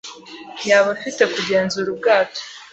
Yaba afite kugenzura ubwato